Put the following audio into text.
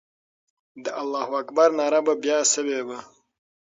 د الله اکبر ناره به بیا سوې وه.